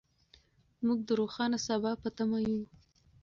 موږ د روښانه سبا په تمه یو.